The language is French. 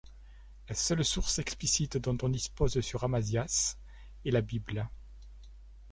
La seule source explicite dont on dispose sur Amasias est la Bible.